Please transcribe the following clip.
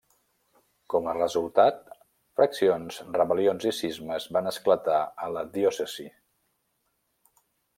Com a resultat, fraccions, rebel·lions i cismes van esclatar a la diòcesi.